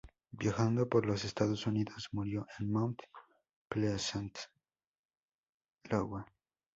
Viajando por los Estados Unidos, murió en Mount Pleasant, Iowa.